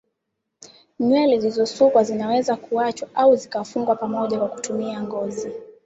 Nywele zilizosukwa zinaweza kuaachwa au zikafungwa pamoja kwa kutumia ngozi